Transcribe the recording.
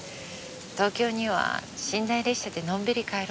東京には寝台列車でのんびり帰ろうと思ってるの。